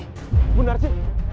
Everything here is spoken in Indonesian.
ibu bangun bu